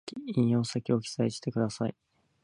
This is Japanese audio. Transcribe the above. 引用先を記載してください